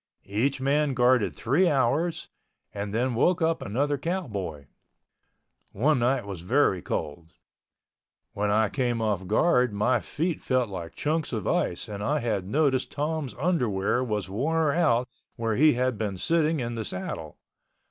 Each man guarded three hours and then woke up another cowboy. One night was very cold. When I came off guard my feet felt like chunks of ice and I had noticed Tom's underwear was wore out where he had been sitting in the saddle.